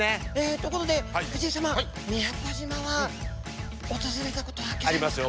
ところで藤井様宮古島は訪れたことはギョざいますか？